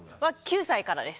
９歳からです。